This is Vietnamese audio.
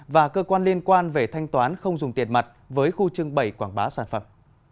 và cơ quan liên quan về thanh toán không dùng tiền mặt với khu trưng bày quảng bá sản phẩm